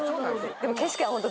でも。